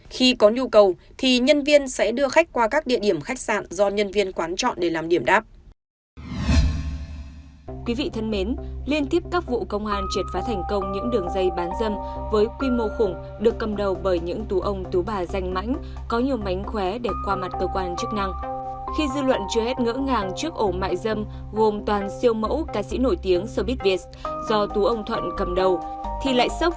khi có nhu cầu thì nhân viên sẽ đưa khách qua các địa điểm khách sạn do nhân viên quán chọn để làm điểm đáp